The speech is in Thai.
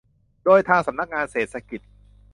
โดยทางสำนักงานเศรษฐกิจ